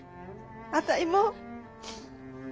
あたいも。